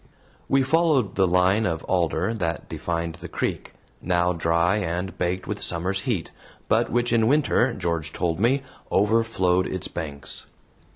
We followed the line of alder that defined the creek, now dry and baked with summer's heat, but which in winter, George told me, overflowed its banks.